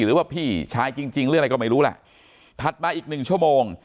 หรือว่าพี่ชายจริงจริงหรืออะไรก็ไม่รู้แหละถัดมาอีกหนึ่งชั่วโมง